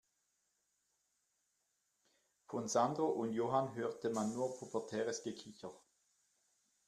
Von Sandro und Johann hörte man nur pubertäres Gekicher.